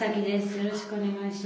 よろしくお願いします。